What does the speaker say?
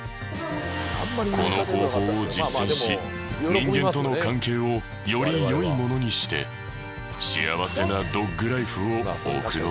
この方法を実践し人間との関係をより良いものにして幸せなドッグライフを送ろう。